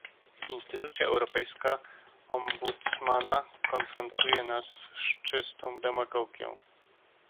Instytucja Europejskiego Ombudsmana konfrontuje nas z czystą demagogią